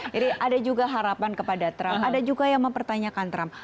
jadi ada juga harapan kepada trump ada juga yang mempertanyakan trump